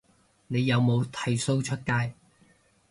你有冇剃鬚出街